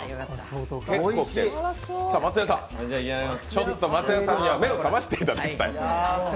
ちょっと松也さんには目を覚ましていただきたい。